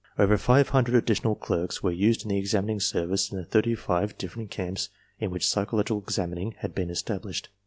Over five hundred additional clerks were used in the examining service in the thirty five different camps in which psychological examining had been established.